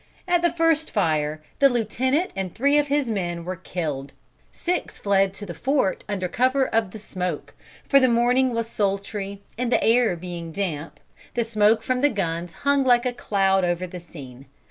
At the first fire, the lieutenant and three of his men were killed. Six fled to the fort under cover of the smoke, for the morning was sultry, and the air being damp, the smoke from the guns hung like a cloud over the scene.